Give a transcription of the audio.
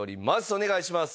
お願いします。